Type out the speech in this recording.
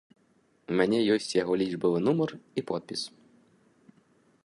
У мяне ёсць яго лічбавы нумар і подпіс.